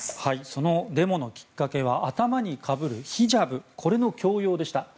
そのデモのきっかけは頭にかぶるヒジャブこれの強要でした。